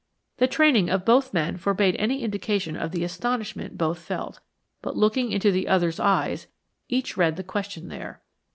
The training of both men forbade any indication of the astonishment both felt, but looking into the other's eyes, each read the question there.